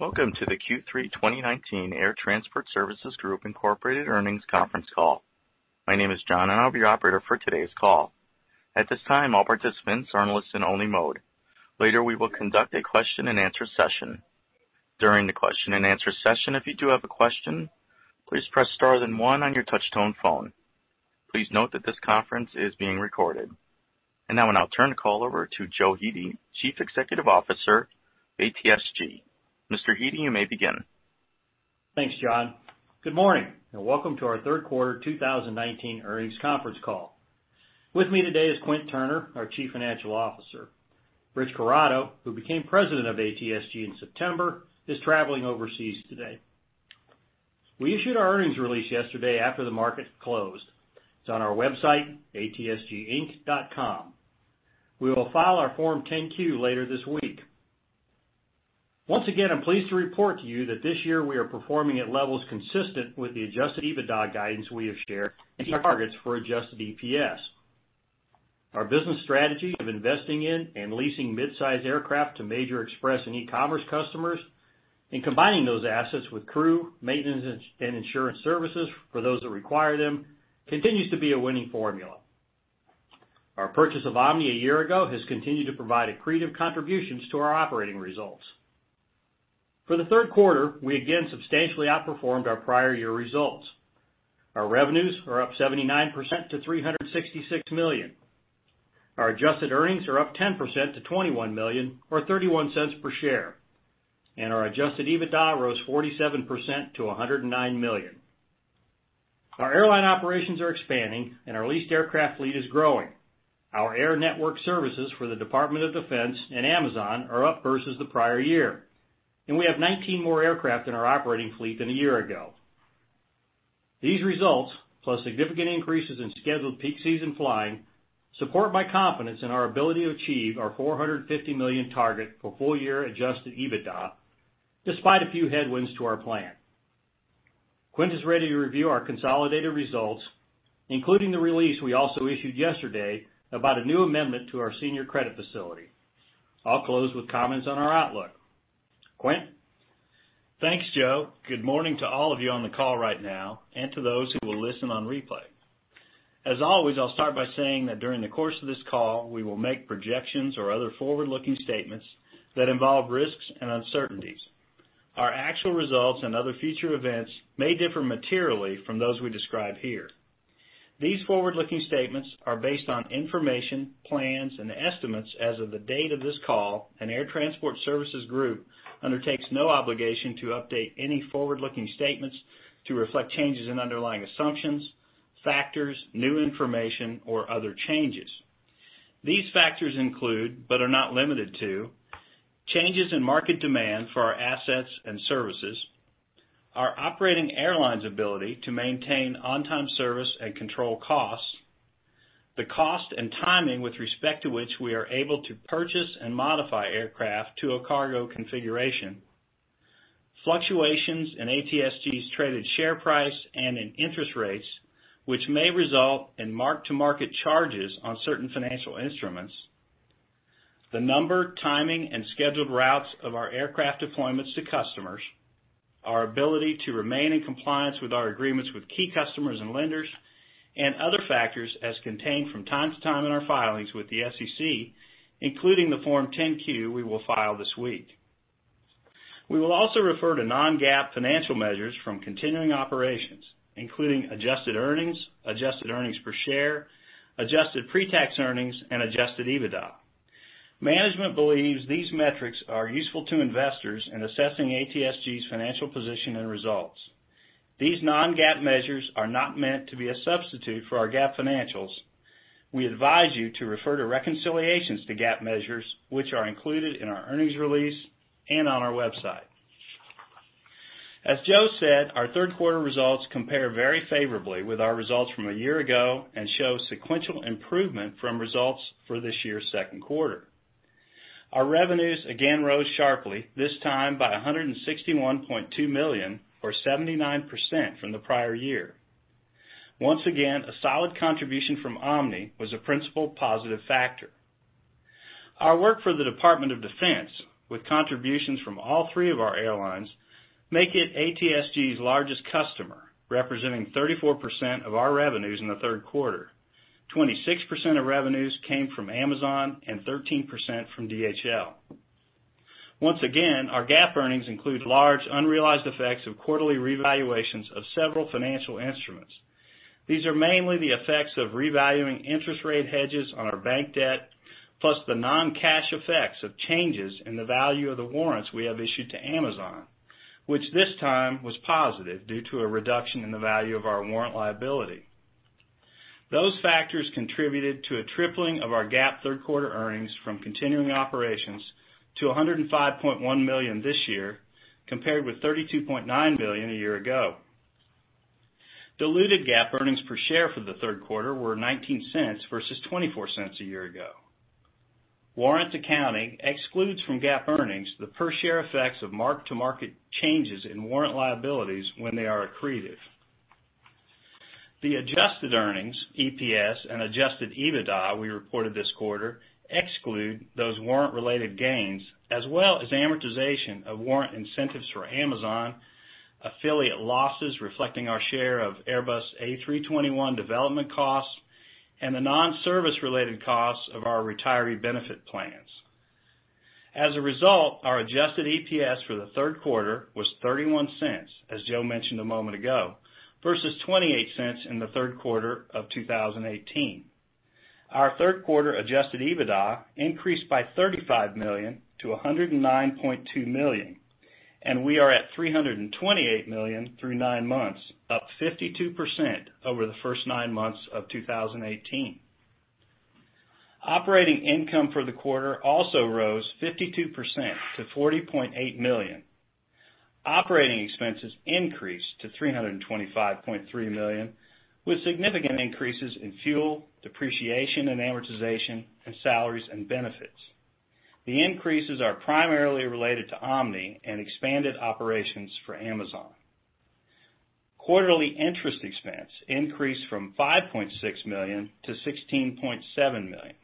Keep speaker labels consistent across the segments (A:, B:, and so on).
A: Welcome to the Q3 2019 Air Transport Services Group Incorporated earnings conference call. My name is John. I'll be your operator for today's call. At this time, all participants are in listen only mode. Later, we will conduct a question and answer session. During the question and answer session, if you do have a question, please press star then one on your touchtone phone. Please note that this conference is being recorded. Now I'll turn the call over to Joe Hete, Chief Executive Officer, ATSG. Mr. Hete, you may begin.
B: Thanks, John. Good morning, and welcome to our third quarter 2019 earnings conference call. With me today is Quint Turner, our Chief Financial Officer. Rich Corrado, who became President of ATSG in September, is traveling overseas today. We issued our earnings release yesterday after the market closed. It's on our website, atsginc.com. We will file our Form 10-Q later this week. Once again, I'm pleased to report to you that this year we are performing at levels consistent with the adjusted EBITDA guidance we have shared, and targets for adjusted EPS. Our business strategy of investing in and leasing midsize aircraft to major express and e-commerce customers, and combining those assets with crew, maintenance, and insurance services for those that require them, continues to be a winning formula. Our purchase of Omni a year ago has continued to provide accretive contributions to our operating results. For the third quarter, we again substantially outperformed our prior year results. Our revenues are up 79% to $366 million. Our adjusted earnings are up 10% to $21 million or $0.31 per share. Our adjusted EBITDA rose 47% to $109 million. Our airline operations are expanding and our leased aircraft fleet is growing. Our air network services for the Department of Defense and Amazon are up versus the prior year, and we have 19 more aircraft in our operating fleet than a year ago. These results, plus significant increases in scheduled peak season flying, support my confidence in our ability to achieve our $450 million target for full year adjusted EBITDA, despite a few headwinds to our plan. Quint is ready to review our consolidated results, including the release we also issued yesterday about a new amendment to our senior credit facility. I'll close with comments on our outlook. Quint?
C: Thanks, Joe. Good morning to all of you on the call right now and to those who will listen on replay. As always, I'll start by saying that during the course of this call, we will make projections or other forward-looking statements that involve risks and uncertainties. Our actual results and other future events may differ materially from those we describe here. These forward-looking statements are based on information, plans, and estimates as of the date of this call, and Air Transport Services Group undertakes no obligation to update any forward-looking statements to reflect changes in underlying assumptions, factors, new information, or other changes. These factors include, but are not limited to, changes in market demand for our assets and services, our operating airlines' ability to maintain on-time service and control costs, the cost and timing with respect to which we are able to purchase and modify aircraft to a cargo configuration, fluctuations in ATSG's traded share price and in interest rates, which may result in mark-to-market charges on certain financial instruments, the number, timing, and scheduled routes of our aircraft deployments to customers, our ability to remain in compliance with our agreements with key customers and lenders, and other factors as contained from time to time in our filings with the SEC, including the Form 10-Q we will file this week. We will also refer to non-GAAP financial measures from continuing operations, including adjusted earnings, adjusted earnings per share, adjusted pre-tax earnings and adjusted EBITDA. Management believes these metrics are useful to investors in assessing ATSG's financial position and results. These non-GAAP measures are not meant to be a substitute for our GAAP financials. We advise you to refer to reconciliations to GAAP measures, which are included in our earnings release and on our website. As Joe said, our third quarter results compare very favorably with our results from a year ago and show sequential improvement from results for this year's second quarter. Our revenues again rose sharply, this time by $161.2 million or 79% from the prior year. Once again, a solid contribution from Omni was a principal positive factor. Our work for the Department of Defense, with contributions from all three of our airlines, make it ATSG's largest customer, representing 34% of our revenues in the third quarter. 26% of revenues came from Amazon and 13% from DHL. Once again, our GAAP earnings include large unrealized effects of quarterly revaluations of several financial instruments. These are mainly the effects of revaluing interest rate hedges on our bank debt, plus the non-cash effects of changes in the value of the warrants we have issued to Amazon, which this time was positive due to a reduction in the value of our warrant liability. Those factors contributed to a tripling of our GAAP third-quarter earnings from continuing operations to $105.1 million this year, compared with $32.9 million a year ago. Diluted GAAP earnings per share for the third quarter were $0.19 versus $0.24 a year ago. Warrant accounting excludes from GAAP earnings the per share effects of mark-to-market changes in warrant liabilities when they are accretive. The adjusted earnings, EPS, and adjusted EBITDA we reported this quarter exclude those warrant-related gains, as well as amortization of warrant incentives for Amazon, affiliate losses reflecting our share of Airbus A321 development costs, and the nonservice-related costs of our retiree benefit plans. Our adjusted EPS for the third quarter was $0.31, as Joe mentioned a moment ago, versus $0.28 in the third quarter of 2018. Our third quarter adjusted EBITDA increased by $35 million to $109.2 million. We are at $328 million through nine months, up 52% over the first nine months of 2018. Operating income for the quarter also rose 52% to $40.8 million. Operating expenses increased to $325.3 million, with significant increases in fuel, depreciation and amortization, and salaries and benefits. The increases are primarily related to Omni and expanded operations for Amazon. Quarterly interest expense increased from $5.6 million to $16.7 million,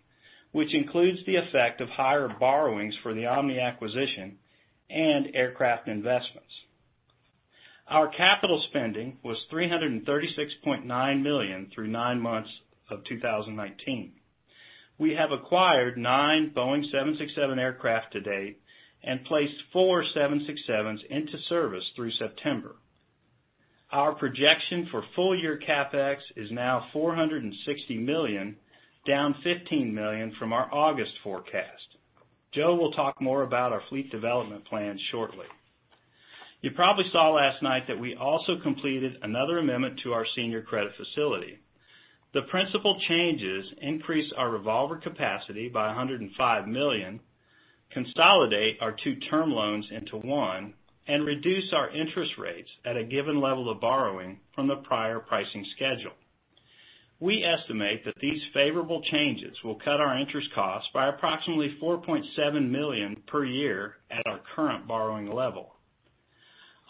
C: which includes the effect of higher borrowings for the Omni acquisition and aircraft investments. Our capital spending was $336.9 million through nine months of 2019. We have acquired nine Boeing 767 aircraft to date and placed four 767s into service through September. Our projection for full-year CapEx is now $460 million, down $15 million from our August forecast. Joe will talk more about our fleet development plan shortly. You probably saw last night that we also completed another amendment to our senior credit facility. The principal changes increase our revolver capacity by $105 million, consolidate our two term loans into one, and reduce our interest rates at a given level of borrowing from the prior pricing schedule. We estimate that these favorable changes will cut our interest costs by approximately $4.7 million per year at our current borrowing level.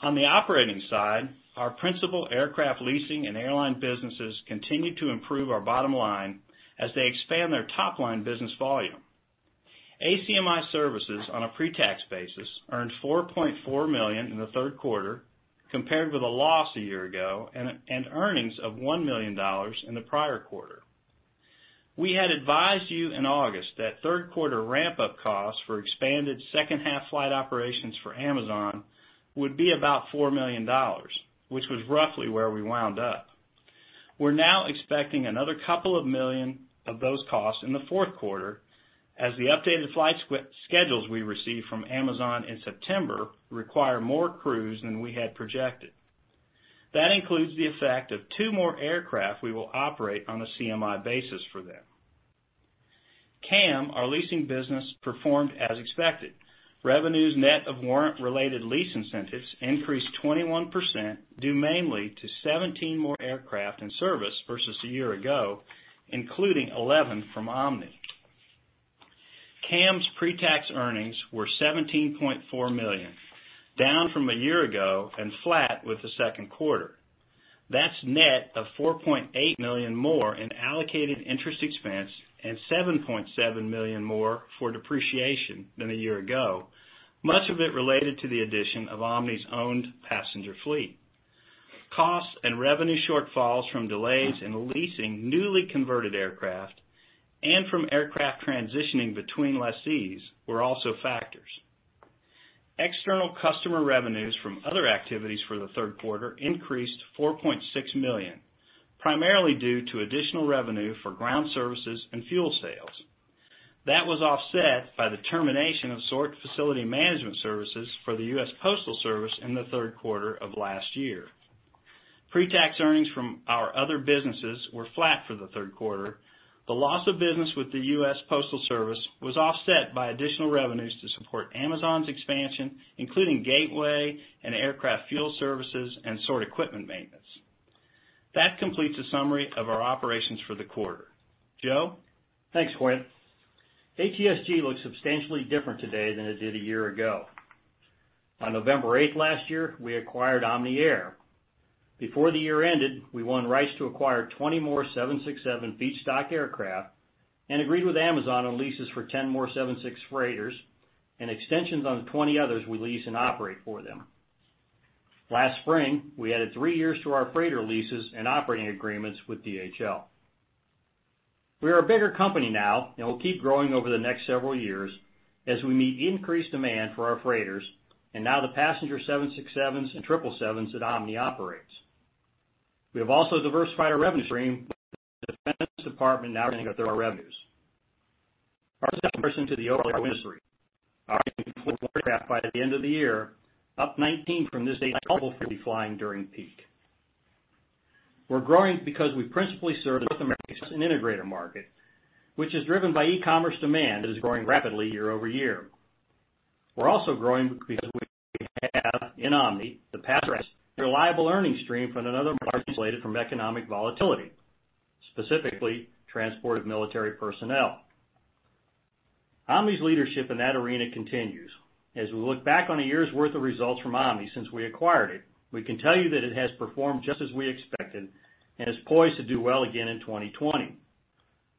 C: On the operating side, our principal aircraft leasing and airline businesses continue to improve our bottom line as they expand their top-line business volume. ACMI Services on a pre-tax basis earned $4.4 million in the third quarter, compared with a loss a year ago and earnings of $1 million in the prior quarter. We had advised you in August that third quarter ramp-up costs for expanded second half flight operations for Amazon would be about $4 million, which was roughly where we wound up. We're now expecting another $2 million of those costs in the fourth quarter, as the updated flight schedules we received from Amazon in September require more crews than we had projected. That includes the effect of two more aircraft we will operate on a CMI basis for them. CAM, our leasing business, performed as expected. Revenues net of warrant-related lease incentives increased 21%, due mainly to 17 more aircraft in service versus a year ago, including 11 from Omni. CAM's pre-tax earnings were $17.4 million, down from a year ago and flat with the second quarter. That's net of $4.8 million more in allocated interest expense and $7.7 million more for depreciation than a year ago, much of it related to the addition of Omni's owned passenger fleet. Costs and revenue shortfalls from delays in leasing newly converted aircraft and from aircraft transitioning between lessees were also factors. External customer revenues from other activities for the third quarter increased to $4.6 million, primarily due to additional revenue for ground services and fuel sales. That was offset by the termination of sort facility management services for the US Postal Service in the third quarter of last year. Pre-tax earnings from our other businesses were flat for the third quarter. The loss of business with the US Postal Service was offset by additional revenues to support Amazon's expansion, including Gateway and aircraft fuel services and sort equipment maintenance. That completes a summary of our operations for the quarter. Joe?
B: Thanks, Quint. ATSG looks substantially different today than it did a year ago. On November 8th last year, we acquired Omni Air. Before the year ended, we won rights to acquire 20 more 767 feedstock aircraft and agreed with Amazon on leases for 10 more 76 freighters and extensions on 20 others we lease and operate for them. Last spring, we added three years to our freighter leases and operating agreements with DHL. We are a bigger company now, and we'll keep growing over the next several years as we meet increased demand for our freighters and now the passenger 767s and 777s that Omni operates. We have also diversified our revenue stream with the Department of Defense now generating up to our revenues. Our second comparison to the overall industry. Our aircraft by the end of the year, up 19 from this date flying during peak. We're growing because we principally serve the North American integrator market, which is driven by e-commerce demand that is growing rapidly year-over-year. We're also growing because we have, in Omni, the passenger reliable earnings stream from another market insulated from economic volatility, specifically transport of military personnel. Omni's leadership in that arena continues. As we look back on a year's worth of results from Omni since we acquired it, we can tell you that it has performed just as we expected and is poised to do well again in 2020.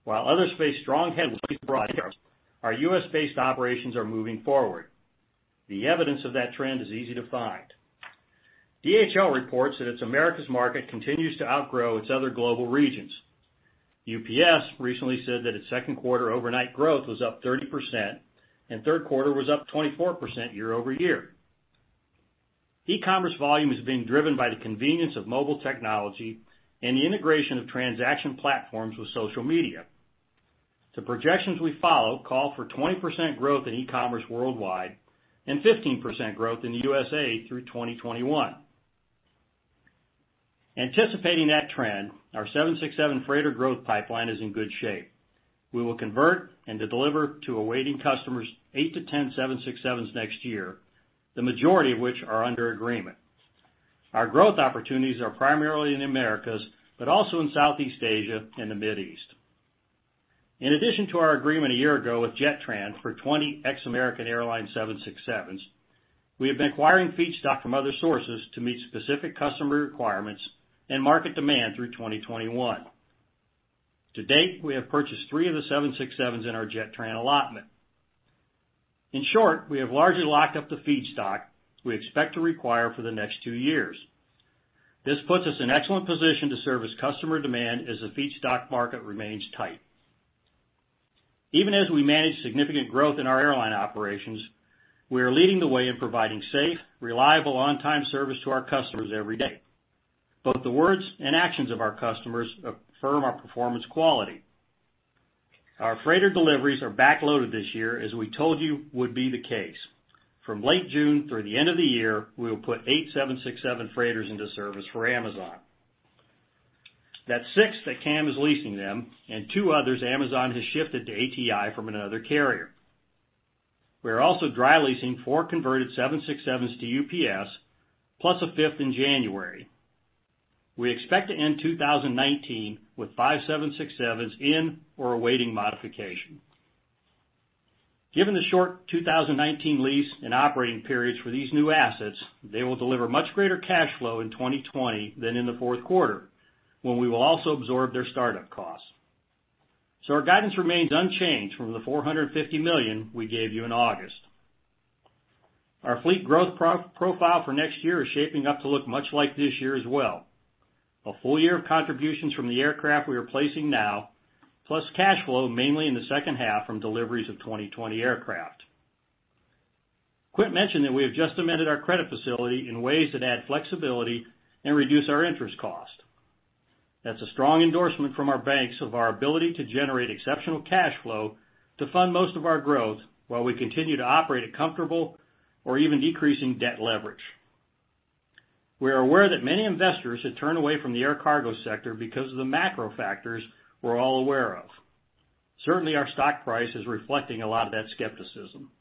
B: While others face strong headwinds, our U.S.-based operations are moving forward. The evidence of that trend is easy to find. DHL reports that its Americas market continues to outgrow its other global regions. UPS recently said that its second quarter overnight growth was up 30%, and third quarter was up 24% year-over-year. E-commerce volume is being driven by the convenience of mobile technology and the integration of transaction platforms with social media. The projections we follow call for 20% growth in e-commerce worldwide and 15% growth in the USA through 2021. Anticipating that trend, our 767 freighter growth pipeline is in good shape. We will convert and deliver to awaiting customers 8-10 767s next year, the majority of which are under agreement. Our growth opportunities are primarily in the Americas, but also in Southeast Asia and the Mid East. In addition to our agreement a year ago with Jetran for 20 ex American Airlines 767s, we have been acquiring feedstock from other sources to meet specific customer requirements and market demand through 2021. To date, we have purchased three of the 767s in our Jetran allotment. In short, we have largely locked up the feedstock we expect to require for the next 2 years. This puts us in excellent position to service customer demand as the feedstock market remains tight. Even as we manage significant growth in our airline operations, we are leading the way in providing safe, reliable, on-time service to our customers every day. Both the words and actions of our customers affirm our performance quality. Our freighter deliveries are backloaded this year as we told you would be the case. From late June through the end of the year, we will put 8 767 freighters into service for Amazon. That's 6 that CAM is leasing them, and 2 others Amazon has shifted to ATI from another carrier. We are also dry leasing 4 converted 767s to UPS, plus a fifth in January. We expect to end 2019 with five 767s in or awaiting modification. Given the short 2019 lease and operating periods for these new assets, they will deliver much greater cash flow in 2020 than in the fourth quarter, when we will also absorb their startup costs. Our guidance remains unchanged from the $450 million we gave you in August. Our fleet growth profile for next year is shaping up to look much like this year as well. A full year of contributions from the aircraft we are placing now, plus cash flow mainly in the second half from deliveries of 2020 aircraft. Quint mentioned that we have just amended our credit facility in ways that add flexibility and reduce our interest cost. That's a strong endorsement from our banks of our ability to generate exceptional cash flow to fund most of our growth while we continue to operate a comfortable or even decreasing debt leverage. We are aware that many investors had turned away from the air cargo sector because of the macro factors we're all aware of. Certainly, our stock price is reflecting a lot of that skepticism.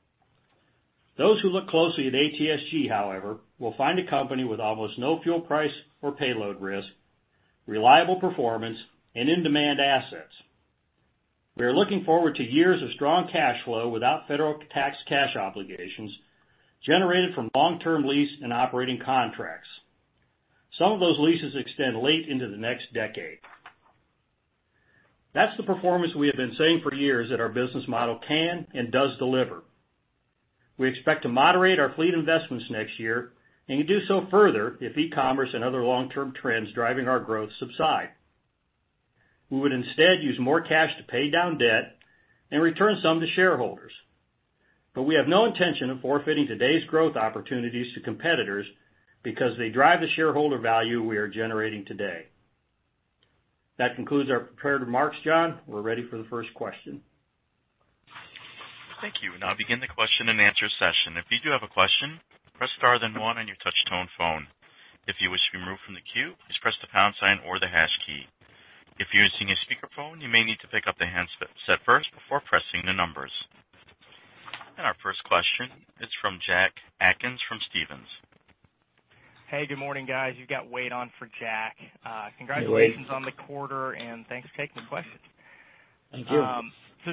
B: Those who look closely at ATSG, however, will find a company with almost no fuel price or payload risk, reliable performance, and in-demand assets. We are looking forward to years of strong cash flow without federal tax cash obligations generated from long-term lease and operating contracts. Some of those leases extend late into the next decade. That's the performance we have been saying for years that our business model can and does deliver. We expect to moderate our fleet investments next year and can do so further if e-commerce and other long-term trends driving our growth subside. We would instead use more cash to pay down debt and return some to shareholders. We have no intention of forfeiting today's growth opportunities to competitors because they drive the shareholder value we are generating today. That concludes our prepared remarks, John. We're ready for the first question.
A: Thank you. We'll now begin the question and answer session. If you do have a question, press star then one on your touch tone phone. If you wish to be removed from the queue, please press the pound sign or the hash key. If you're using a speakerphone, you may need to pick up the handset first before pressing the numbers. Our first question is from Jack Atkins from Stephens.
D: Hey, good morning, guys. You've got Wade on for Jack.
B: Hey, Wade.
D: Congratulations on the quarter, and thanks for taking the questions.
B: Thank you.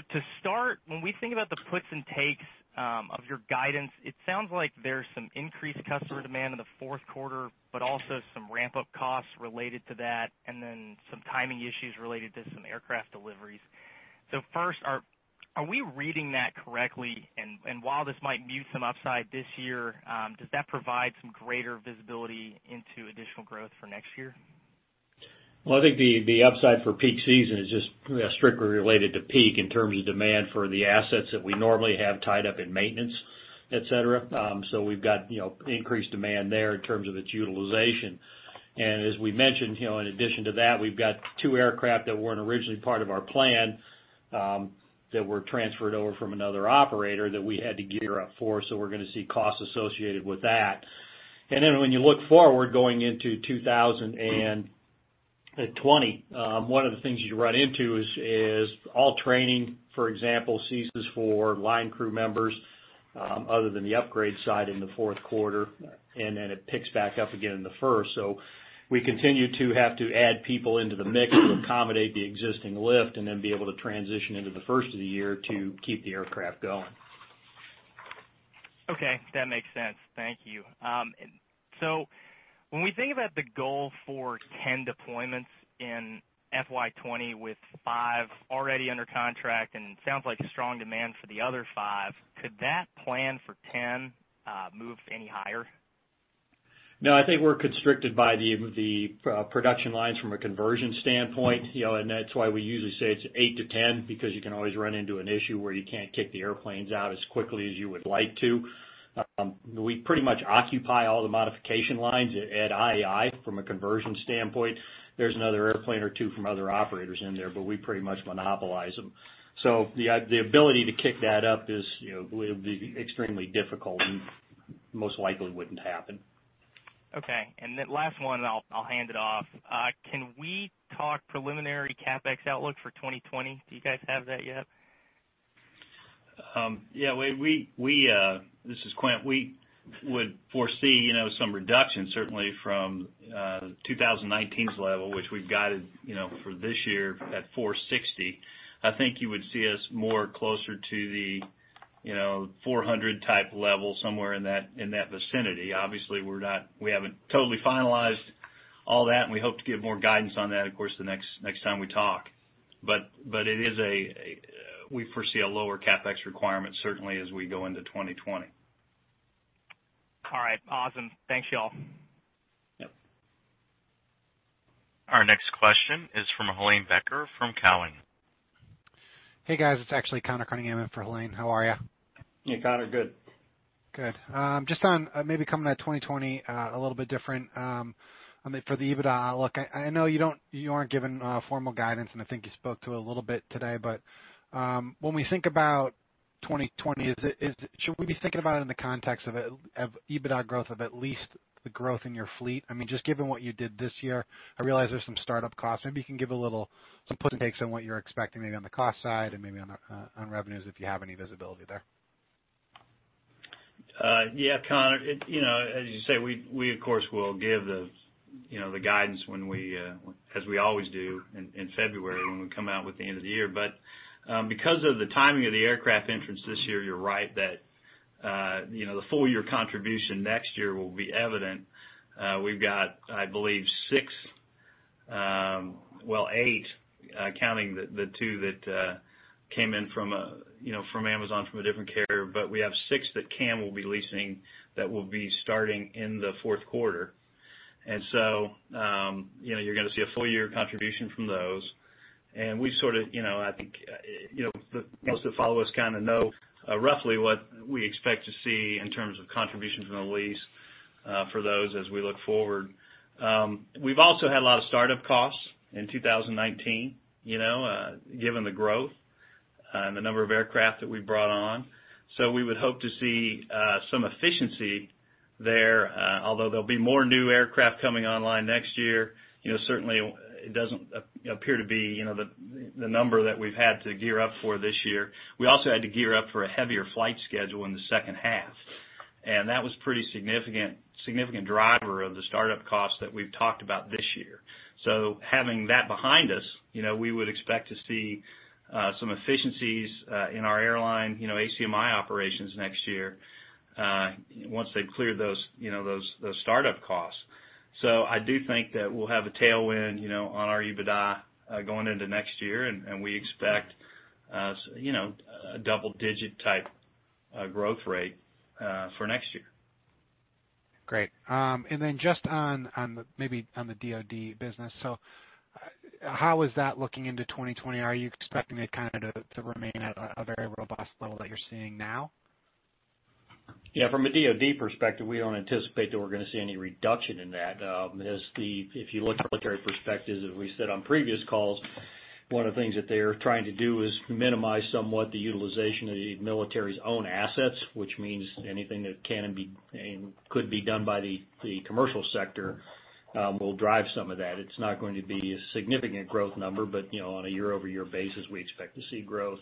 D: To start, when we think about the puts and takes of your guidance, it sounds like there's some increased customer demand in the fourth quarter, but also some ramp-up costs related to that, and then some timing issues related to some aircraft deliveries. First, are we reading that correctly? While this might mute some upside this year, does that provide some greater visibility into additional growth for next year?
B: Well, I think the upside for peak season is just strictly related to peak in terms of demand for the assets that we normally have tied up in maintenance, et cetera. We've got increased demand there in terms of its utilization. As we mentioned, in addition to that, we've got 2 aircraft that weren't originally part of our plan, that were transferred over from another operator that we had to gear up for. We're going to see costs associated with that. When you look forward going into 2020, one of the things you run into is all training, for example, ceases for line crew members.
C: Other than the upgrade side in the fourth quarter, and then it picks back up again in the first. We continue to have to add people into the mix to accommodate the existing lift, and then be able to transition into the first of the year to keep the aircraft going.
D: Okay, that makes sense. Thank you. When we think about the goal for 10 deployments in FY 2020 with five already under contract, and it sounds like a strong demand for the other five, could that plan for 10 move any higher?
B: I think we're constricted by the production lines from a conversion standpoint. That's why we usually say it's eight to 10, because you can always run into an issue where you can't kick the airplanes out as quickly as you would like to. We pretty much occupy all the modification lines at IAI from a conversion standpoint. There's another airplane or two from other operators in there, we pretty much monopolize them. The ability to kick that up would be extremely difficult and most likely wouldn't happen.
D: Okay. Last one, and I'll hand it off. Can we talk preliminary CapEx outlook for 2020? Do you guys have that yet?
C: Yeah. This is Quint. We would foresee some reduction certainly from 2019's level, which we've guided for this year at $460. I think you would see us more closer to the $400 type level, somewhere in that vicinity. Obviously, we haven't totally finalized all that. We hope to give more guidance on that, of course, the next time we talk. We foresee a lower CapEx requirement certainly as we go into 2020.
D: All right. Awesome. Thanks, y'all.
C: Yep.
A: Our next question is from Helane Becker from Cowen.
E: Hey, guys. It's actually Connor Curren, I'm in for Helane. How are you?
C: Hey, Connor, good.
E: Good. Just on maybe coming at 2020, a little bit different. For the EBITDA outlook, I know you aren't giving formal guidance, and I think you spoke to it a little bit today, but when we think about 2020, should we be thinking about it in the context of EBITDA growth of at least the growth in your fleet? Just given what you did this year, I realize there's some startup costs. Maybe you can give a little, some put takes on what you're expecting maybe on the cost side and maybe on revenues, if you have any visibility there.
C: Yeah, Connor. As you say, we, of course, will give the guidance as we always do in February when we come out with the end of the year. Because of the timing of the aircraft entrance this year, you're right that the full year contribution next year will be evident. We've got, I believe, six, well, eight, counting the two that came in from Amazon from a different carrier. We have six that CAM will be leasing that will be starting in the fourth quarter. You're going to see a full year contribution from those. Those that follow us kind of know roughly what we expect to see in terms of contributions from the lease for those as we look forward. We've also had a lot of startup costs in 2019 given the growth and the number of aircraft that we brought on. We would hope to see some efficiency there. Although there'll be more new aircraft coming online next year. Certainly it doesn't appear to be the number that we've had to gear up for this year. We also had to gear up for a heavier flight schedule in the second half, and that was pretty significant driver of the startup costs that we've talked about this year. Having that behind us, we would expect to see some efficiencies in our airline ACMI operations next year once they've cleared those startup costs. I do think that we'll have a tailwind on our EBITDA going into next year, and we expect a double-digit type growth rate for next year.
E: Great. Just maybe on the DOD business. How is that looking into 2020? Are you expecting it kind of to remain at a very robust level that you're seeing now?
B: Yeah. From a DoD perspective, we don't anticipate that we're going to see any reduction in that. If you look at the military perspective, as we said on previous calls, one of the things that they're trying to do is minimize somewhat the utilization of the military's own assets, which means anything that can and could be done by the commercial sector will drive some of that. It's not going to be a significant growth number, but on a year-over-year basis, we expect to see growth.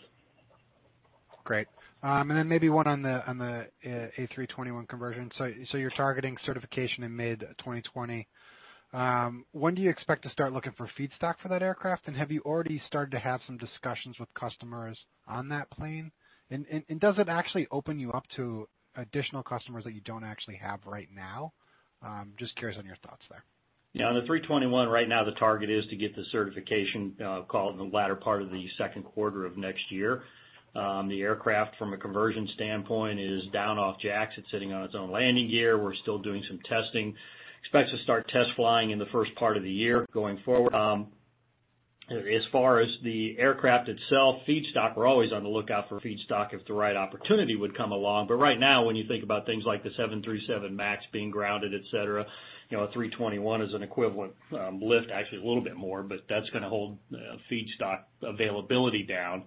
E: Great. Maybe one on the A321 conversion. You're targeting certification in mid 2020. When do you expect to start looking for feedstock for that aircraft? Have you already started to have some discussions with customers on that plane? Does it actually open you up to additional customers that you don't actually have right now? Just curious on your thoughts there.
B: Yeah. On the 321 right now, the target is to get the certification call in the latter part of the second quarter of next year. The aircraft from a conversion standpoint is down off jacks. It's sitting on its own landing gear. We're still doing some testing. Expect to start test flying in the first part of the year going forward. As far as the aircraft itself, feedstock, we're always on the lookout for feedstock if the right opportunity would come along. Right now, when you think about things like the 737 MAX being grounded, et cetera, a 321 is an equivalent lift, actually a little bit more, but that's going to hold feedstock availability down.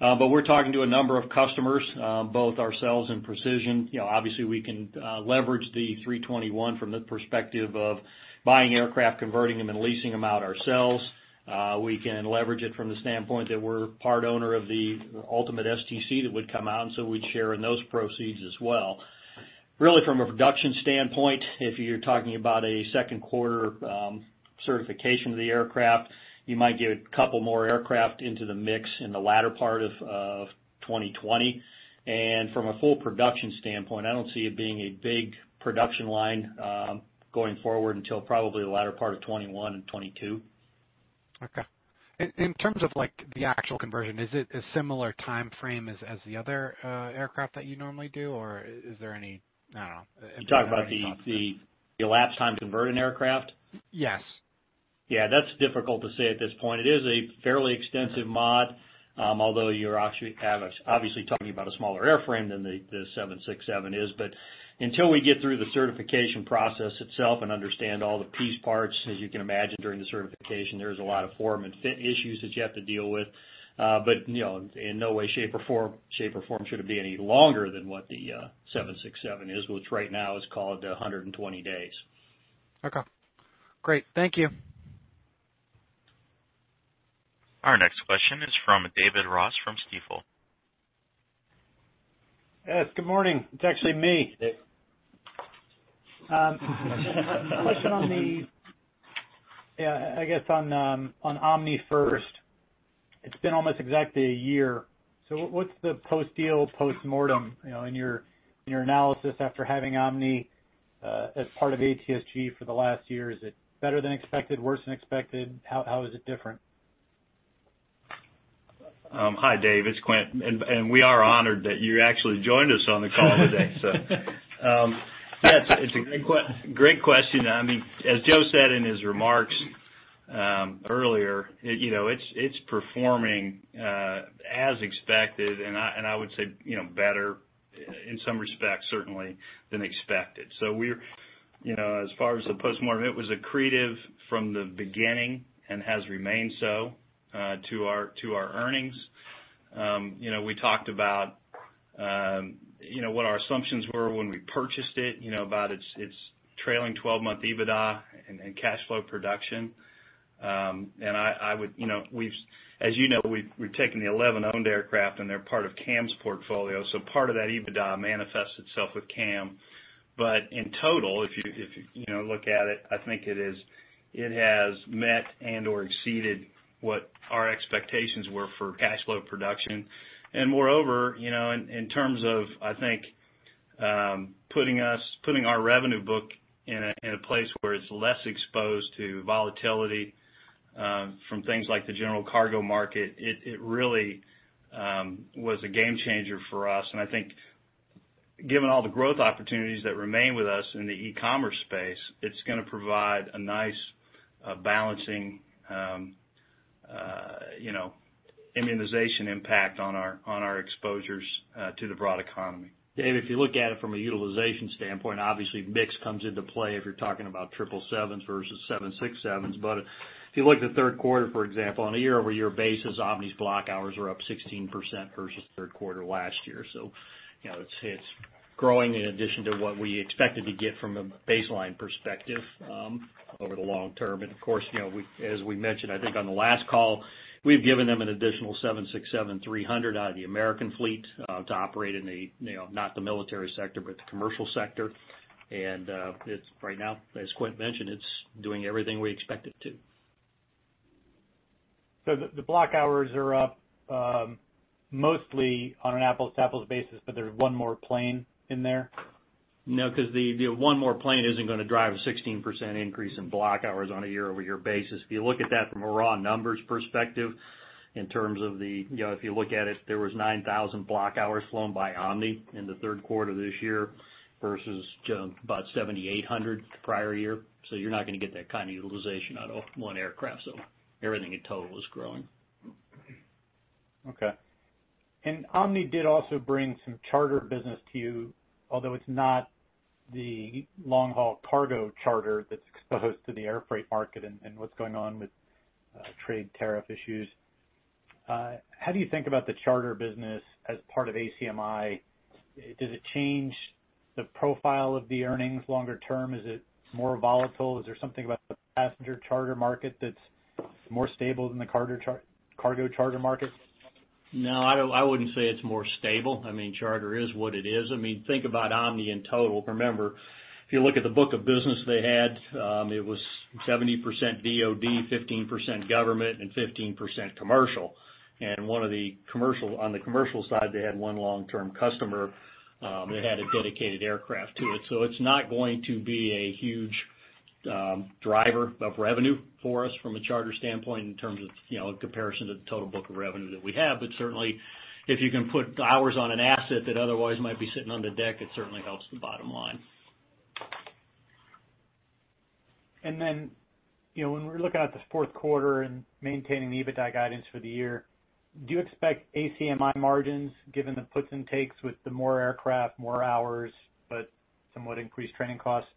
B: We're talking to a number of customers, both ourselves and Precision. Obviously, we can leverage the 321 from the perspective of buying aircraft, converting them, and leasing them out ourselves.
C: We can leverage it from the standpoint that we're part owner of the ultimate STC that would come out, and so we'd share in those proceeds as well. Really, from a production standpoint, if you're talking about a second quarter certification of the aircraft. You might get a couple more aircraft into the mix in the latter part of 2020. From a full production standpoint, I don't see it being a big production line going forward until probably the latter part of 2021 and 2022.
E: Okay. In terms of the actual conversion, is it a similar timeframe as the other aircraft that you normally do?
B: You're talking about the elapsed time to convert an aircraft?
E: Yes.
B: Yeah, that's difficult to say at this point. It is a fairly extensive mod, although you're obviously talking about a smaller airframe than the 767 is. Until we get through the certification process itself and understand all the piece parts, as you can imagine, during the certification, there's a lot of form and fit issues that you have to deal with. In no way, shape, or form should it be any longer than what the 767 is, which right now is called 120 days.
E: Okay. Great. Thank you.
A: Our next question is from David Ross from Stifel.
F: Yes, good morning. It's actually me. I guess on Omni first. It's been almost exactly a year. What's the post-deal postmortem, in your analysis after having Omni as part of ATSG for the last year? Is it better than expected, worse than expected? How is it different?
C: Hi, Dave. It's Quint. We are honored that you actually joined us on the call today. Yeah, it's a great question. As Joe said in his remarks earlier, it's performing as expected, and I would say better in some respects, certainly, than expected. As far as the postmortem, it was accretive from the beginning and has remained so to our earnings. We talked about what our assumptions were when we purchased it, about its trailing 12-month EBITDA and cash flow production. As you know, we've taken the 11 owned aircraft, and they're part of CAM's portfolio. Part of that EBITDA manifests itself with CAM. In total, if you look at it, I think it has met and/or exceeded what our expectations were for cash flow production. Moreover, in terms of, I think, putting our revenue book in a place where it's less exposed to volatility from things like the general cargo market, it really was a game changer for us. I think given all the growth opportunities that remain with us in the e-commerce space, it's going to provide a nice balancing immunization impact on our exposures to the broad economy. Dave, if you look at it from a utilization standpoint, obviously mix comes into play if you're talking about 777s versus 767s. If you look at the third quarter, for example, on a year-over-year basis, Omni's block hours are up 16% versus third quarter last year. It's growing in addition to what we expected to get from a baseline perspective over the long term.
B: Of course, as we mentioned, I think on the last call, we've given them an additional 767-300 out of the American Airlines fleet to operate in not the military sector, but the commercial sector. Right now, as Quint mentioned, it's doing everything we expect it to.
F: The block hours are up mostly on an apples-to-apples basis, but there's one more plane in there?
B: The one more plane isn't going to drive a 16% increase in block hours on a year-over-year basis. If you look at that from a raw numbers perspective, in terms of the, if you look at it, there was 9,000 block hours flown by Omni in the third quarter this year versus about 7,800 the prior year. You're not going to get that kind of utilization out of one aircraft. Everything in total is growing.
F: Okay. Omni did also bring some charter business to you, although it's not the long-haul cargo charter that's exposed to the air freight market and what's going on with trade tariff issues. How do you think about the charter business as part of ACMI? Does it change the profile of the earnings longer term? Is it more volatile? Is there something about the passenger charter market that's more stable than the cargo charter market?
B: No, I wouldn't say it's more stable. Charter is what it is. Think about Omni in total. Remember, if you look at the book of business they had, it was 70% DOD, 15% government, and 15% commercial. On the commercial side, they had one long-term customer that had a dedicated aircraft to it. It's not going to be a huge driver of revenue for us from a charter standpoint in terms of comparison to the total book of revenue that we have. Certainly, if you can put hours on an asset that otherwise might be sitting on the deck, it certainly helps the bottom line.
F: When we're looking at this fourth quarter and maintaining the adjusted EBITDA guidance for the year, do you expect ACMI margins, given the puts and takes with the more aircraft, more hours, but somewhat increased training costs,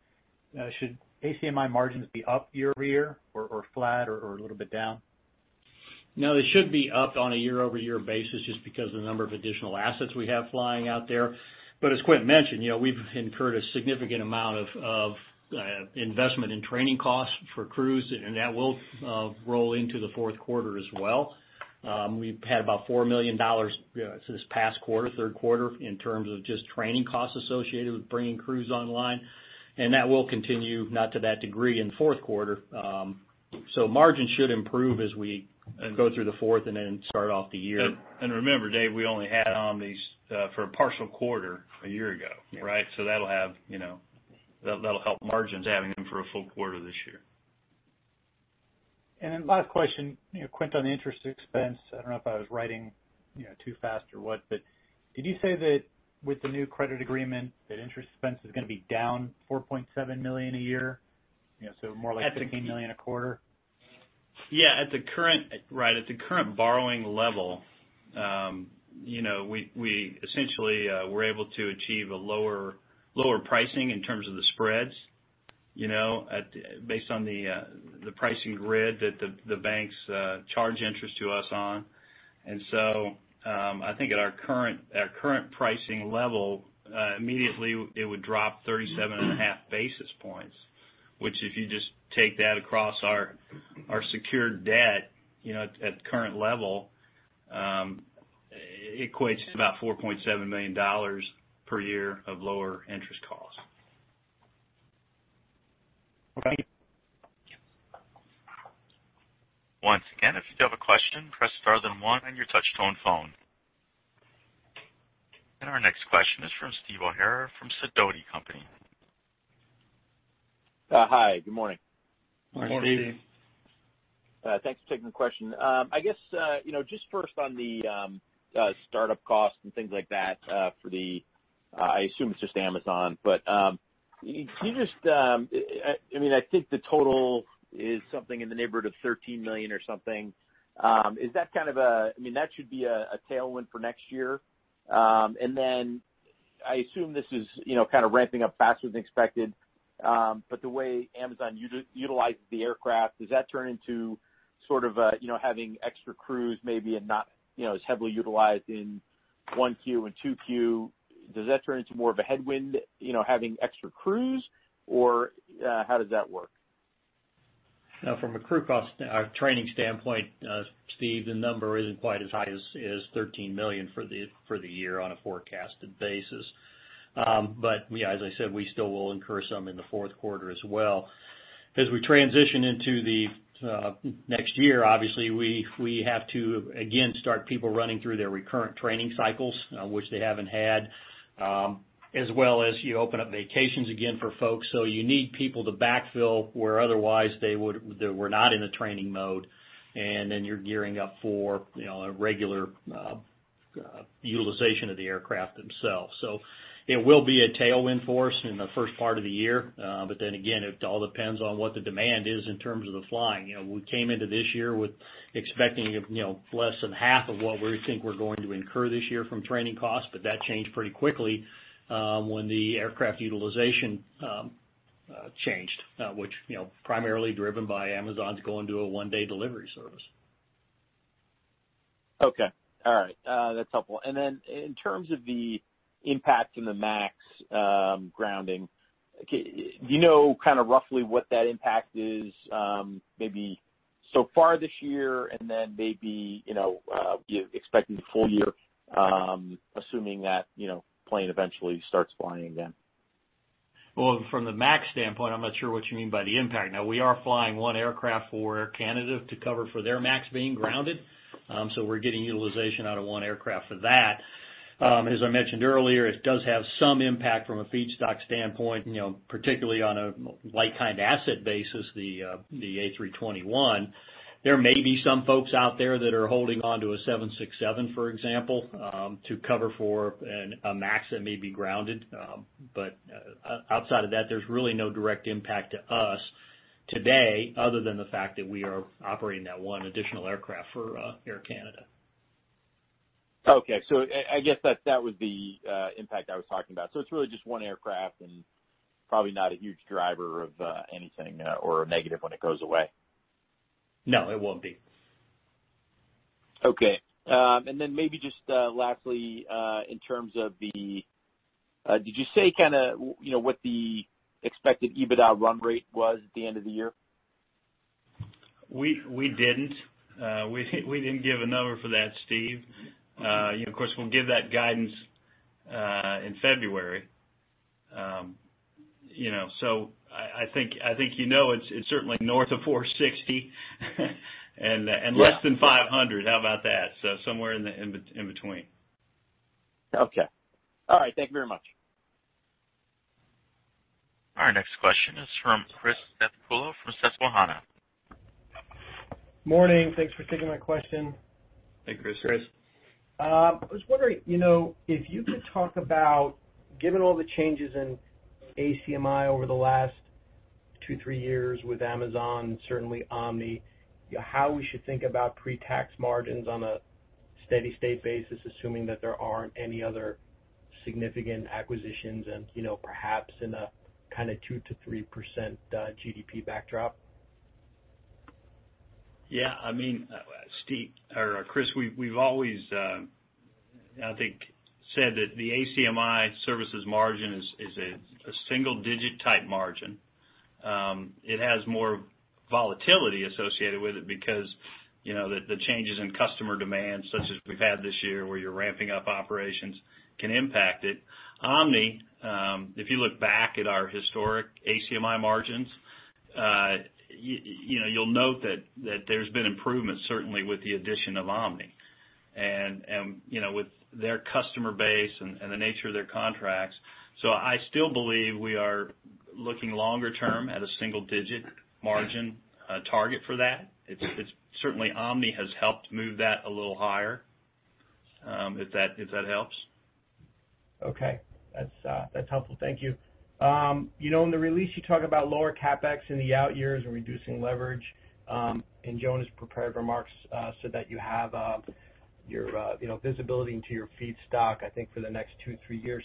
F: should ACMI margins be up year-over-year or flat or a little bit down?
B: They should be up on a year-over-year basis just because of the number of additional assets we have flying out there. As Quint mentioned, we've incurred a significant amount of investment in training costs for crews, and that will roll into the fourth quarter as well. We've had about $4 million this past quarter, third quarter, in terms of just training costs associated with bringing crews online. That will continue, not to that degree, in the fourth quarter. Margins should improve as we go through the fourth and then start off the year. Remember, Dave, we only had Omni for a partial quarter a year ago, right?
C: Yeah. That'll help margins, having them for a full quarter this year.
F: Last question. Quint, on the interest expense, I don't know if I was writing too fast or what, but did you say that with the new credit agreement, that interest expense is going to be down $4.7 million a year? More like $16 million a quarter?
C: Yeah. At the current borrowing level, we essentially were able to achieve a lower pricing in terms of the spreads, based on the pricing grid that the banks charge interest to us on. I think at our current pricing level, immediately it would drop 37 and a half basis points, which if you just take that across our secured debt at the current level, it equates to about $4.7 million per year of lower interest costs.
F: Okay.
A: Once again, if you do have a question, press star then one on your touch-tone phone. Our next question is from Steve O'Hara from Sidoti & Company.
G: Hi, good morning.
C: Morning. Morning, Steve.
G: Thanks for taking the question. I guess, just first on the startup costs and things like that, for the, I assume it's just Amazon. I think the total is something in the neighborhood of $13 million or something. That should be a tailwind for next year. Then I assume this is kind of ramping up faster than expected, but the way Amazon utilizes the aircraft, does that turn into sort of having extra crews maybe and not as heavily utilized in 1Q and 2Q? Does that turn into more of a headwind, having extra crews? How does that work?
B: From a crew cost or training standpoint, Steve, the number isn't quite as high as $13 million for the year on a forecasted basis. Yeah, as I said, we still will incur some in the fourth quarter as well. As we transition into the next year, obviously, we have to again start people running through their recurrent training cycles, which they haven't had, as well as you open up vacations again for folks. You need people to backfill where otherwise they were not in the training mode, and then you're gearing up for a regular utilization of the aircraft themselves. It will be a tailwind for us in the first part of the year. Again, it all depends on what the demand is in terms of the flying. We came into this year expecting less than half of what we think we're going to incur this year from training costs. That changed pretty quickly when the aircraft utilization changed which primarily driven by Amazon's going to a one-day delivery service.
G: Okay. All right. That's helpful. In terms of the impact from the MAX grounding, do you know kind of roughly what that impact is maybe so far this year and then maybe expecting the full year, assuming that plane eventually starts flying again?
B: Well, from the MAX standpoint, I'm not sure what you mean by the impact. We are flying one aircraft for Air Canada to cover for their MAX being grounded. We are getting utilization out of one aircraft for that. As I mentioned earlier, it does have some impact from a feedstock standpoint, particularly on a like kind asset basis, the A321. There may be some folks out there that are holding onto a 767, for example, to cover for a MAX that may be grounded. Outside of that, there's really no direct impact to us today other than the fact that we are operating that one additional aircraft for Air Canada.
G: Okay. I guess that would be the impact I was talking about. It's really just one aircraft and probably not a huge driver of anything or a negative when it goes away.
B: No, it won't be.
G: Okay. Maybe just lastly, in terms of Did you say what the expected EBITDA run rate was at the end of the year?
B: We didn't give a number for that, Steve. Of course, we'll give that guidance in February. I think you know it's certainly north of 460 and less than 500. How about that? Somewhere in between.
G: Okay. All right. Thank you very much.
A: Our next question is from Chris Stathoulopoulos from Susquehanna.
H: Morning. Thanks for taking my question.
C: Hey, Chris.
B: Chris.
H: I was wondering, if you could talk about, given all the changes in ACMI over the last two, three years with Amazon, certainly Omni, how we should think about pre-tax margins on a steady state basis, assuming that there aren't any other significant acquisitions and perhaps in a kind of 2%-3% GDP backdrop?
B: Chris, we've always I think said that the ACMI Services margin is a single-digit type margin. It has more volatility associated with it because the changes in customer demand, such as we've had this year, where you're ramping up operations, can impact it. Omni, if you look back at our historic ACMI margins you'll note that there's been improvement, certainly with the addition of Omni.
C: With their customer base and the nature of their contracts. I still believe we are looking longer term at a single-digit margin target for that. Certainly, Omni has helped move that a little higher. If that helps.
H: Okay. That's helpful. Thank you. In the release, you talk about lower CapEx in the out years and reducing leverage. In Joe's prepared remarks, said that you have your visibility into your feedstock, I think, for the next two, three years.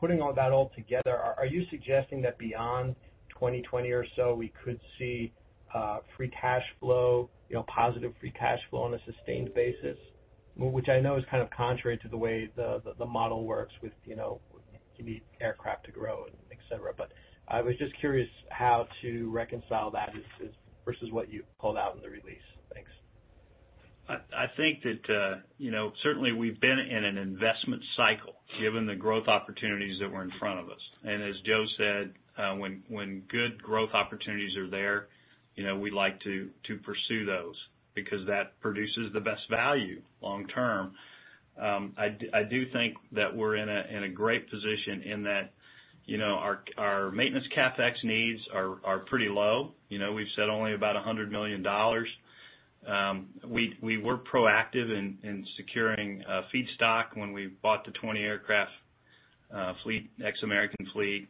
H: Putting all that all together, are you suggesting that beyond 2020 or so, we could see positive free cash flow on a sustained basis? Which I know is kind of contrary to the way the model works with, you need aircraft to grow and et cetera. I was just curious how to reconcile that versus what you called out in the release. Thanks.
C: I think that, certainly we've been in an investment cycle, given the growth opportunities that were in front of us. As Joe said, when good growth opportunities are there, we like to pursue those because that produces the best value long term. I do think that we're in a great position in that our maintenance CapEx needs are pretty low. We've said only about $100 million. We were proactive in securing feedstock when we bought the 20 aircraft ex-American fleet.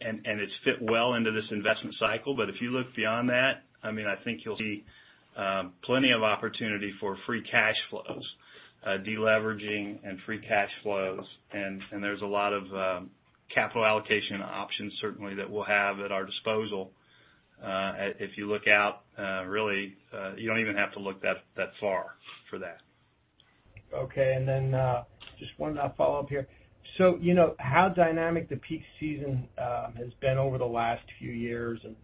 C: It's fit well into this investment cycle. If you look beyond that, I think you'll see plenty of opportunity for free cash flows, de-leveraging and free cash flows. There's a lot of capital allocation options, certainly, that we'll have at our disposal. If you look out, really, you don't even have to look that far for that.
H: Okay. Just one follow-up here. How dynamic the peak season has been over the last few years and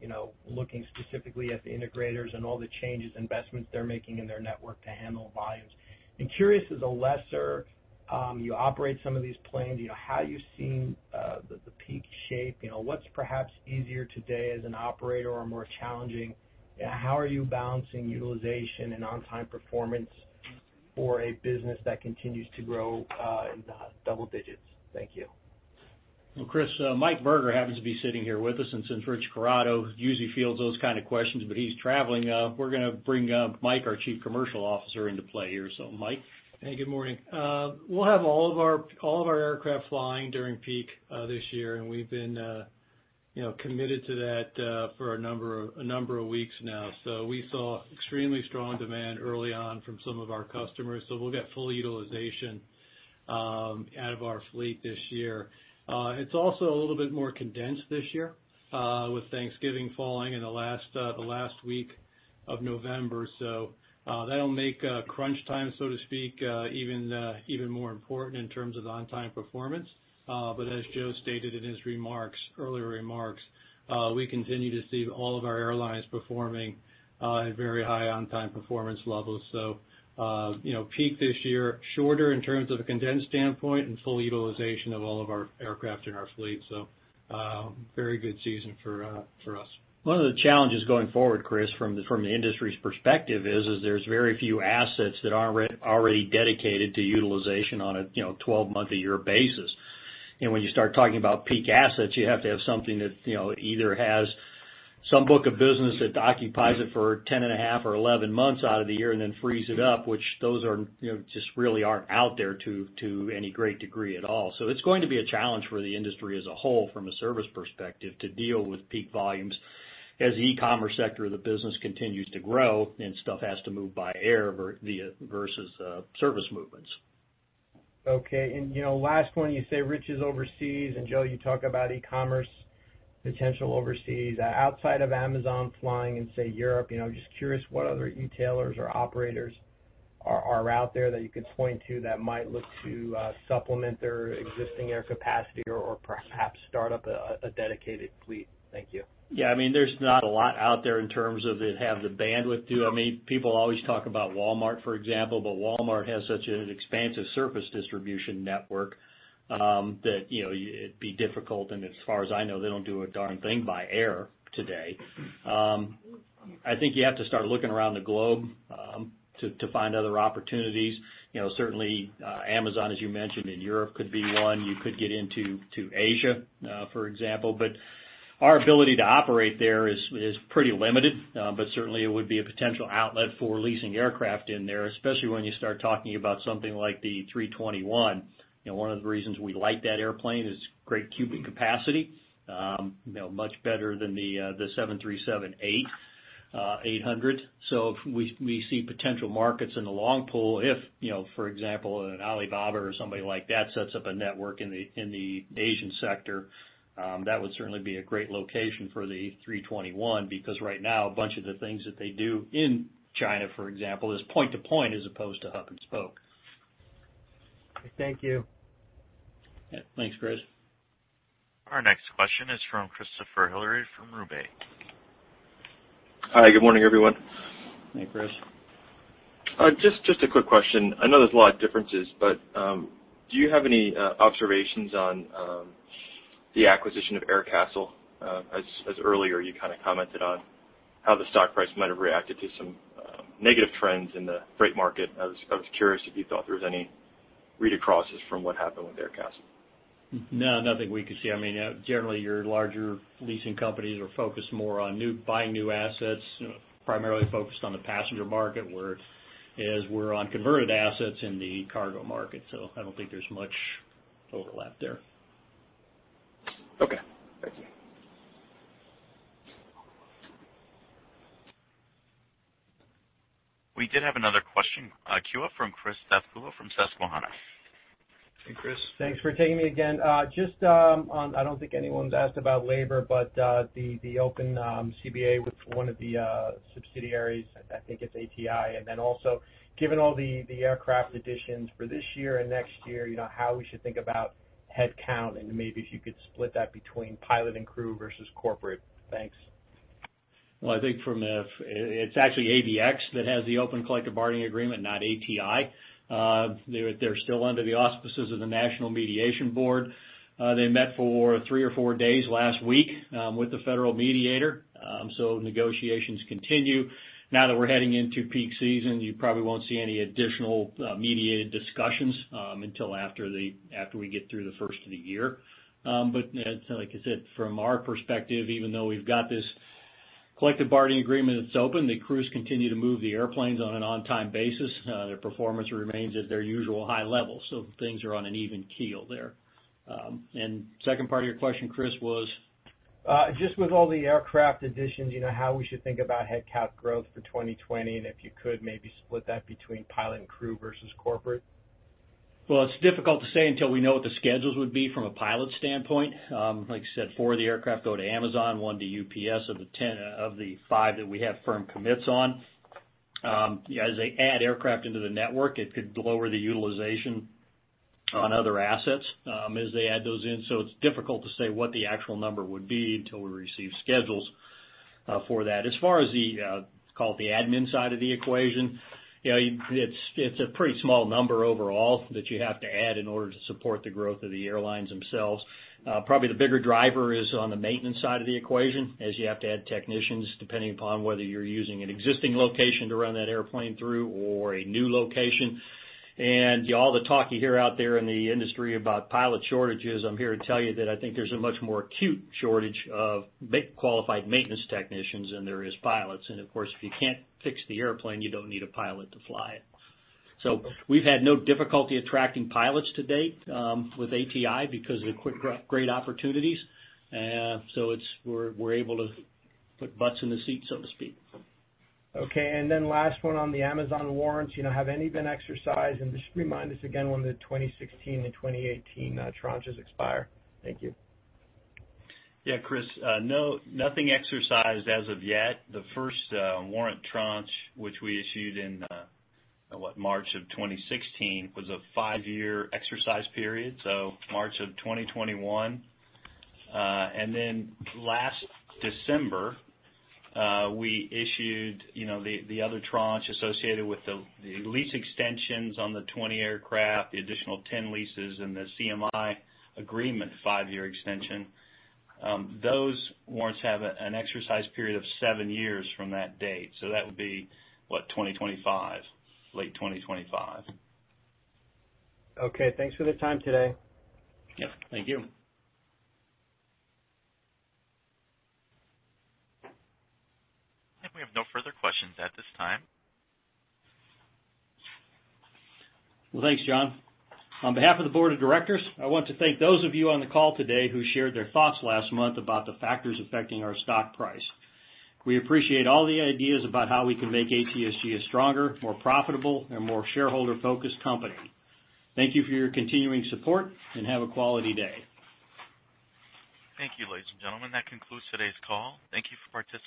H: looking specifically at the integrators and all the changes, investments they're making in their network to handle volumes. I'm curious, as a lessor, you operate some of these planes, how are you seeing the peak shape? What's perhaps easier today as an operator or more challenging? How are you balancing utilization and on-time performance for a business that continues to grow in double digits? Thank you.
B: Well, Chris, Mike Berger happens to be sitting here with us, and since Rich Corrado usually fields those kind of questions, but he's traveling, we're going to bring Mike, our Chief Commercial Officer, into play here. Mike?
I: Hey, good morning. We'll have all of our aircraft flying during peak this year, and we've been committed to that for a number of weeks now. We saw extremely strong demand early on from some of our customers, so we'll get full utilization out of our fleet this year. It's also a little bit more condensed this year with Thanksgiving falling in the last week of November. That'll make crunch time, so to speak, even more important in terms of on-time performance. As Joe stated in his earlier remarks, we continue to see all of our airlines performing at very high on-time performance levels. Peak this year, shorter in terms of a condensed standpoint, and full utilization of all of our aircraft in our fleet. Very good season for us.
B: One of the challenges going forward, Chris, from the industry's perspective is there's very few assets that aren't already dedicated to utilization on a 12-month a year basis. When you start talking about peak assets, you have to have something that either has some book of business that occupies it for 10 and a half or 11 months out of the year and then frees it up, which those just really aren't out there to any great degree at all. It's going to be a challenge for the industry as a whole from a service perspective to deal with peak volumes as the e-commerce sector of the business continues to grow and stuff has to move by air versus service movements.
H: Okay. Last one, you say Rich is overseas, and Joe, you talk about e-commerce potential overseas. Outside of Amazon flying in, say, Europe, just curious what other e-tailers or operators are out there that you could point to that might look to supplement their existing air capacity or perhaps start up a dedicated fleet. Thank you.
B: Yeah, there's not a lot out there in terms of it have the bandwidth to. People always talk about Walmart, for example, but Walmart has such an expansive surface distribution network that it'd be difficult, and as far as I know, they don't do a darn thing by air today. I think you have to start looking around the globe to find other opportunities. Certainly Amazon, as you mentioned, in Europe could be one. You could get into Asia, for example, but our ability to operate there is pretty limited. Certainly it would be a potential outlet for leasing aircraft in there, especially when you start talking about something like the A321. One of the reasons we like that airplane is its great cubic capacity. Much better than the 737-800.
C: We see potential markets in the long-haul if, for example, an Alibaba or somebody like that sets up a network in the Asian sector. That would certainly be a great location for the 321, because right now, a bunch of the things that they do in China, for example, is point to point as opposed to hub and spoke.
H: Thank you.
B: Yeah. Thanks, Chris.
A: Our next question is from Christopher Hillary from Roubaix Capital.
J: Hi, good morning, everyone.
C: Hi, Chris.
J: Just a quick question. I know there's a lot of differences, but do you have any observations on the acquisition of Aircastle, as earlier you kind of commented on how the stock price might have reacted to some negative trends in the freight market? I was curious if you thought there was any read across from what happened with Aircastle.
B: No, nothing we could see. Generally, your larger leasing companies are focused more on buying new assets, primarily focused on the passenger market, whereas we're on converted assets in the cargo market. I don't think there's much overlap there.
J: Okay. Thank you.
A: We did have another question queue up from Chris Stathoulopoulos from Susquehanna.
B: Hey, Chris.
H: Thanks for taking me again. I don't think anyone's asked about labor, but the open CBA with one of the subsidiaries, I think it's ATI. Also, given all the aircraft additions for this year and next year, how we should think about headcount, and maybe if you could split that between pilot and crew versus corporate. Thanks.
B: Well, I think it's actually ABX that has the open collective bargaining agreement, not ATI. They're still under the auspices of the National Mediation Board. They met for three or four days last week with the federal mediator. Negotiations continue. Now that we're heading into peak season, you probably won't see any additional mediated discussions until after we get through the first of the year. Like I said, from our perspective, even though we've got this collective bargaining agreement that's open, the crews continue to move the airplanes on an on-time basis. Their performance remains at their usual high level. Things are on an even keel there. Second part of your question, Chris, was?
H: With all the aircraft additions, how we should think about headcount growth for 2020, and if you could maybe split that between pilot and crew versus corporate.
B: Well, it's difficult to say until we know what the schedules would be from a pilot standpoint. Like you said, four of the aircraft go to Amazon, one to UPS. Of the five that we have firm commits on. As they add aircraft into the network, it could lower the utilization on other assets as they add those in. It's difficult to say what the actual number would be until we receive schedules for that. As far as the, call it the admin side of the equation, it's a pretty small number overall that you have to add in order to support the growth of the airlines themselves. Probably the bigger driver is on the maintenance side of the equation, as you have to add technicians, depending upon whether you're using an existing location to run that airplane through or a new location. All the talk you hear out there in the industry about pilot shortages, I'm here to tell you that I think there's a much more acute shortage of qualified maintenance technicians than there is pilots. Of course, if you can't fix the airplane, you don't need a pilot to fly it. We've had no difficulty attracting pilots to date with ATI because of the great opportunities. We're able to put butts in the seats, so to speak.
H: Okay. Last one on the Amazon warrants. Have any been exercised? Just remind us again when the 2016 and 2018 tranches expire. Thank you.
C: Chris, no, nothing exercised as of yet. The first warrant tranche, which we issued in March of 2016, was a five-year exercise period, so March of 2021. Last December, we issued the other tranche associated with the lease extensions on the 20 aircraft, the additional 10 leases and the CMI agreement five-year extension. Those warrants have an exercise period of seven years from that date. That would be, what, 2025, late 2025.
H: Okay. Thanks for the time today.
B: Yeah. Thank you.
A: I think we have no further questions at this time.
B: Well, thanks, John. On behalf of the board of directors, I want to thank those of you on the call today who shared their thoughts last month about the factors affecting our stock price. We appreciate all the ideas about how we can make ATSG a stronger, more profitable, and more shareholder-focused company. Thank you for your continuing support, and have a quality day.
A: Thank you, ladies and gentlemen. That concludes today's call. Thank you for participating.